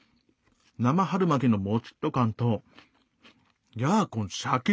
生春巻きのモチッと感とヤーコンシャキシャキ！